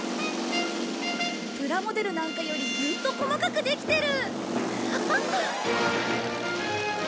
プラモデルなんかよりずっと細かくできてる！